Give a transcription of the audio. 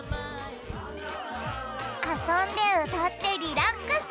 あそんでうたってリラックス！